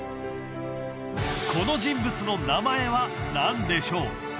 この人物の名前は何でしょう？